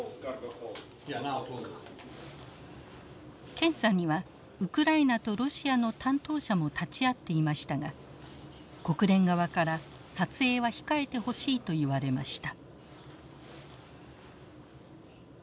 検査にはウクライナとロシアの担当者も立ち会っていましたが国連側から撮影は控えてほしいと言われました。